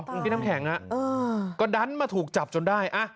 คุณพี่น้ำแข็งอ่ะเออก็ดันมาถูกจับจนได้อ่ะ